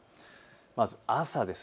まず朝です。